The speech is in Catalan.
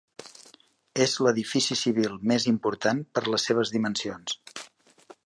És l'edifici civil més important per les seves dimensions.